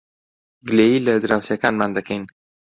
گلەیی لە دراوسێکانمان دەکەین.